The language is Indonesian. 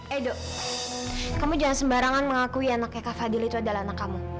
edo kamu jangan sembarangan mengakui anaknya kak fadil itu adalah anak kamu